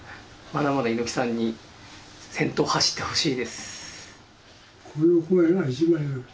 まだまだ猪木さんに、先頭を走ってほしいです。